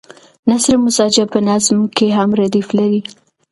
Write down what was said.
نثر مسجع په نظم کې هم ردیف لري.